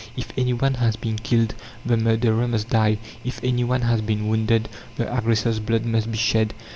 If any one has been killed, the murderer must die; if any one has been wounded, the aggressor's blood must be shed.